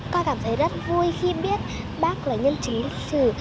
con cảm thấy rất vui khi biết bác là nhân chứng lịch sử